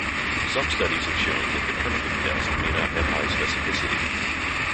Some studies have shown that the tourniquet test may not have high specificity.